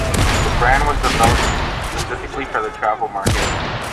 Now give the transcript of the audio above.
The brand was developed specifically for the travel market.